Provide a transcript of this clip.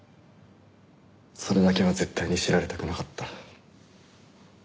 それだけは絶対に知られたくなかった。